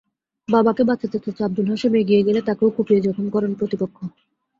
বাবাকে বাঁচাতে চাচা আবুল হাশেম এগিয়ে গেলে তাঁকেও কুপিয়ে জখম করেন প্রতিপক্ষ।